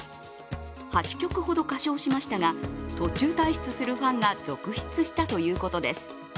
８曲ほど歌唱しましたが途中退出するファンが続出したということです。